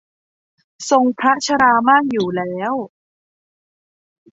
ทรงพระชรามากอยู่แล้ว